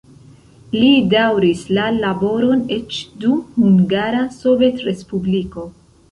Li daŭris la laboron eĉ dum Hungara Sovetrespubliko.